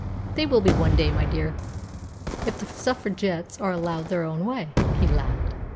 "They will be one day, my dear, if the Suffragettes are allowed their own way," he laughed.